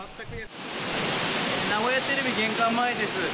名古屋テレビ玄関前です。